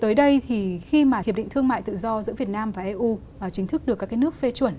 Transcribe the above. tới đây thì khi mà hiệp định thương mại tự do giữa việt nam và eu chính thức được các nước phê chuẩn